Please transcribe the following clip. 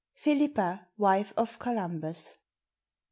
Felipa, Wife of Columbus.